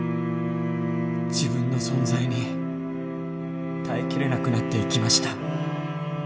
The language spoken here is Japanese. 自分の存在に耐えきれなくなっていきました。